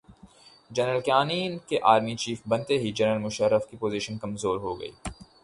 General Kayani کے army chief بنتے ہی جنرل مشرف کی پوزیشن کمزورہوگئی۔